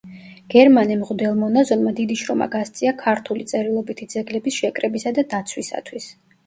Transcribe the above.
გერმანე მღვდელმონაზონმა დიდი შრომა გასწია ქართული წერილობითი ძეგლების შეკრებისა და დაცვისათვის.